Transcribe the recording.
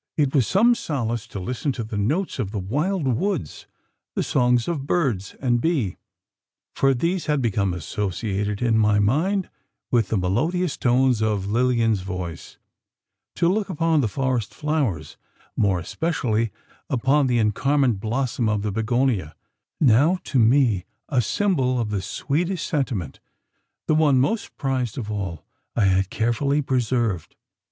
It was some solace to listen to the notes of the wild woods the songs of birds and bee for these had become associated in my mind with the melodious tones of Lilian's voice to look upon the forest flowers; more especially upon the encarmined blossom of the bignonia now to me a symbol of the sweetest sentiment. The one most prized of all, I had carefully preserved.